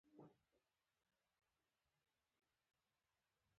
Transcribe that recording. بې ځایه خبري مه کوه .